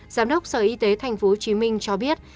giám đốc sở y tế tp hcm cho biết